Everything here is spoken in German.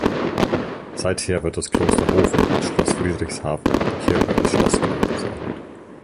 Seither wird das Kloster Hofen als Schloss Friedrichshafen, die Kirche als Schlosskirche bezeichnet.